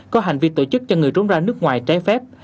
có hành vi tổ chức cho người trốn ra nước ngoài trái phép